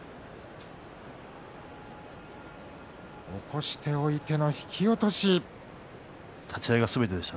起こしておいての引き落とし。